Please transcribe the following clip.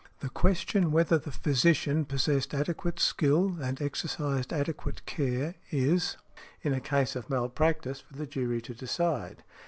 The question whether the physician possessed adequate skill, and exercised adequate care, is, in a case of malpractice, for the jury to decide.